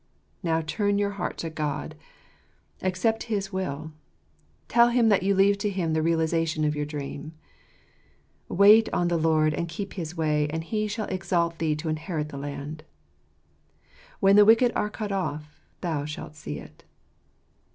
Now turn your (foots is yattljfnL 69 heart to God ; accept his will ; tell Him that you leave to Him the realization of your dream. " Wait on the Lord, and keep his way, and He shall exalt thee to inherit the land: when the wicked are cut off thou shalt see it."